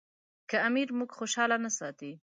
که امیر موږ خوشاله نه ساتي.